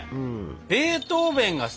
ベートーベンがさ。